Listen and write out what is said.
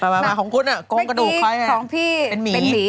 มานี่ของพี่เป็นหมี